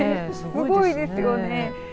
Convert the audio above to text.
すごいですよね。